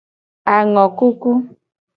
Angokuku.